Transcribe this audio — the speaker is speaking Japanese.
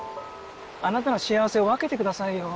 あなたの幸せを分けてくださいよ。